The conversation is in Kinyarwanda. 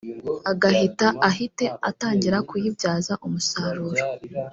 agahita ahite atangira kuyibyaza umusaruro